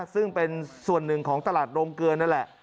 ซึ่งเป็นส่วนหนึ่งของตลาดโรงเกลือนั่นแหละ